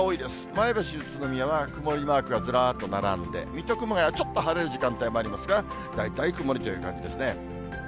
前橋、宇都宮は曇りマークがずらっと並んで、水戸、熊谷はちょっと晴れる時間帯もありますが、大体曇りという感じですね。